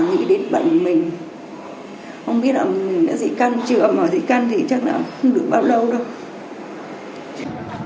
không biết là mình đã dị căn chưa mà dị căn thì chắc là không được bao lâu đâu